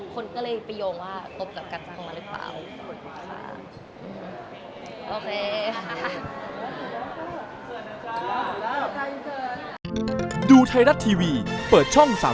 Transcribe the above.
คนก็เลยไปโยงว่าตบกับกระจังมาหรือเปล่า